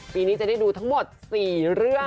ปีนี้จะได้ดูทั้งหมด๔เรื่อง